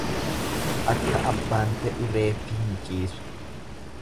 Akka abbaan fedhu reeffi hin ciisu.